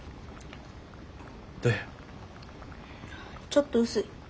ちょっと薄い。